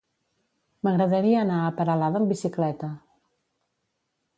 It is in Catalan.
M'agradaria anar a Peralada amb bicicleta.